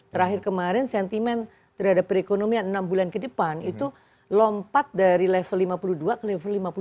terakhir kemarin sentimen terhadap perekonomian enam bulan ke depan itu lompat dari level lima puluh dua ke level lima puluh delapan